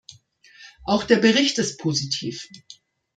Auch der Bericht ist positiv.